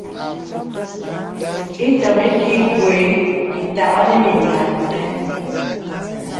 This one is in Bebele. Itɔ̀m iki gwe ìtàghà nə mìndàk.